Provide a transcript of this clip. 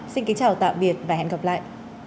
xin kính chào tạm biệt và hẹn gặp lại